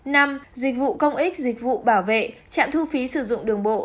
năm dịch vụ công ích dịch vụ bảo vệ trạm thu phí sử dụng đường bộ